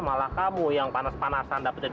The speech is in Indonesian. malah kamu yang panas panasan dapat